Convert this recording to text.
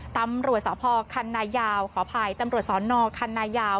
ตำรวจสพคันนายาวขออภัยตำรวจสอนอคันนายาว